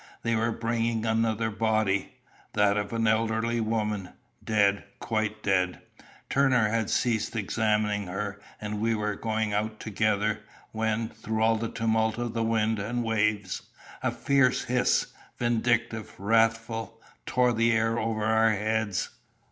They were bringing another body that of an elderly woman dead, quite dead. Turner had ceased examining her, and we were going out together, when, through all the tumult of the wind and waves, a fierce hiss, vindictive, wrathful, tore the air over our heads.